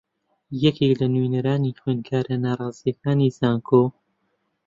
یەکێک لە نوێنەرانی خوێندکارە ناڕازییەکانی زانکۆ